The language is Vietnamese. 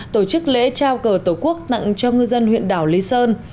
tổ chức lễ trao cờ tổ quốc tặng cho ngư dân huyện đảo lý sơn